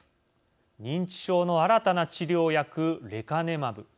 認知症の新たな治療薬レカネマブ。